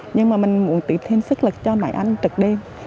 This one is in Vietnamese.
nhưng mà mình muốn tự thêm sức lực cho mấy anh trực đêm